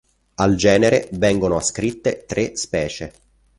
Al genere vengono ascritte tre specie.